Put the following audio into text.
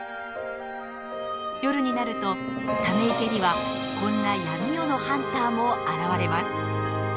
夜になるとため池にはこんな闇夜のハンターも現れます。